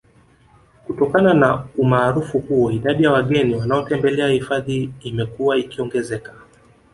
Kutokana na umaarufu huo idadi ya wageni wanaotembelea hifadhi imekuwa ikiongezeka